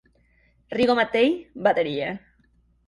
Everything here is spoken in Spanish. Rigo Mattei: Batería.